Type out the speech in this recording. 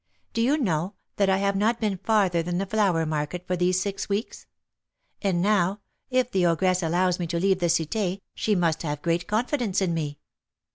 Do you know that I have not been farther than the flower market for these six weeks? And now, if the ogress allows me to leave the Cité, she must have great confidence in me."